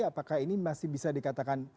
apakah ini masih bisa dikatakan